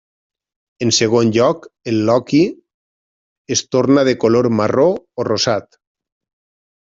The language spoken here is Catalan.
En segon lloc, el loqui es torna de color marró o rosat.